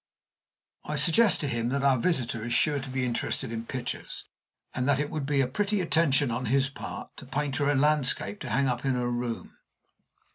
I suggest to him that our visitor is sure to be interested in pictures, and that it would be a pretty attention, on his part, to paint her a landscape to hang up in her room.